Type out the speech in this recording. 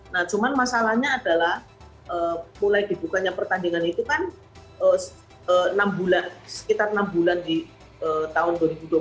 nah cuman masalahnya adalah mulai dibukanya pertandingan itu kan sekitar enam bulan di tahun dua ribu dua puluh satu